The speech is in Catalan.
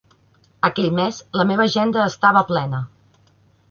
Aquell mes la meva agenda estava plena.